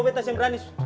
betas yang berani